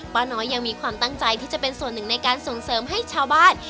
ป้าน้อยยังมีความตั้งใจที่จะเป็นส่วนหนึ่งในการส่งเสริมให้ชาวบ้าน